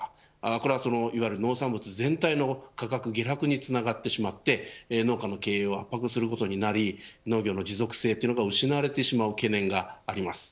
これはいわゆる農産物全体の価格下落につながってしまって農家の経営を圧迫することになり農業の持続性が失われてしまう懸念があります。